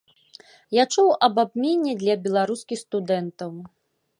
Я чуў аб абмене для беларускіх студэнтаў.